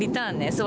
そう。